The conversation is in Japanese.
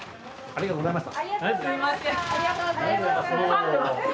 ありがとうございます。